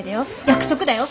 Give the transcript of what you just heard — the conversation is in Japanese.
約束だよ。